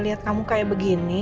liat kamu kayak begini